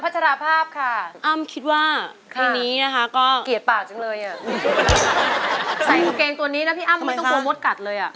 ใส่กางเกงตัวนี้นะพี่อ้ำไม่ต้องกลัวมดกัดเลยอ่ะ